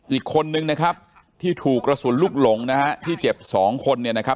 อีกคนนึงนะครับที่ถูกกระสุนลูกหลงนะฮะที่เจ็บสองคนเนี่ยนะครับ